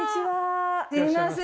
すみません